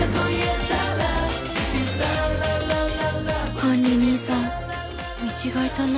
管理人さん見違えたな